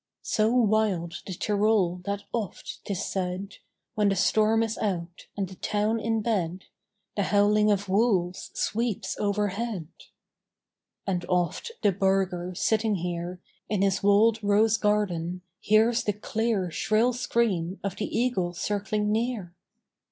So wild the Tyrol that oft, 'tis said, When the storm is out and the town in bed, The howling of wolves sweeps overhead. And oft the burgher, sitting here In his walled rose garden, hears the clear Shrill scream of the eagle circling near.